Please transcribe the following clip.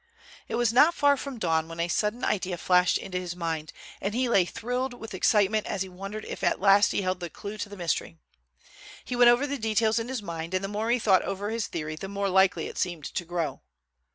It was not far from dawn when a sudden idea flashed into his mind, and he lay thrilled with excitement as he wondered if at last he held the clue to the mystery. He went over the details in his mind, and the more he thought over his theory the more likely it seemed to grow.